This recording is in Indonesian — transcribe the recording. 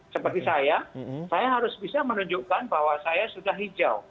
seperti saya saya harus bisa menunjukkan bahwa saya sudah hijau